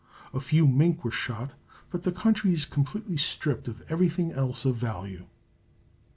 A few mink were shot, but the country is completely stripped of everything else of value.